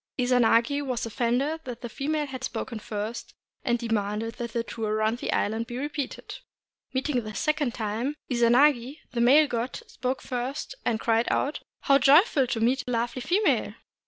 Izanagi was offended that the female had spoken first, and demanded that the tour round the island be repeated. Meeting the second time, Izanagi, the male god, spoke first, and cried out, — "How joyful to meet a lovely female!"